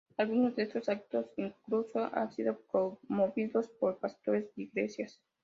Algunos de estos actos incluso han sido promovidos por pastores de iglesias.